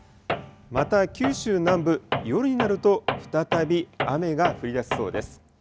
また九州南部、夜になると、再び雨が降りだしそうです。